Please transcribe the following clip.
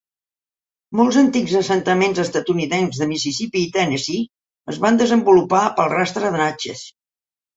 Molts antics assentaments estatunidencs de Mississippi i Tennessee es van desenvolupar pel rastre de Natchez.